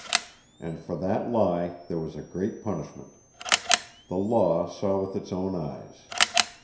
And for that lie there was a great punishment. The Law saw with its own eyes.